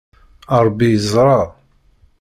Ṛebbi yeẓṛa.